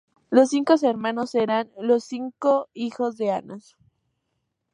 Los cinco hermanos serán los cinco hijos de Anás.